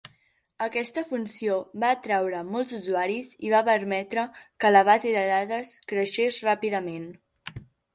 Aquesta funció va atreure molts usuaris i va permetre que la base de dades creixés ràpidament.